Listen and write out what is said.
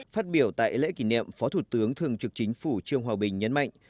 phát biểu tại lễ kỷ niệm phó thủ tướng thường trực chính phủ trương hòa bình nhấn mạnh